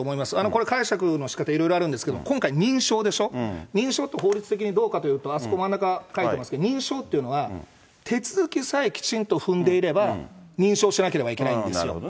これ、解釈のしかた、いろいろあるんですけれども、今回、認証でしょ、認証って法律的にどうかというと、あそこ、真ん中書いてますけど、認証っていうのは、手続きさえきちんと踏んでいれば認証しなければいけないんですよ。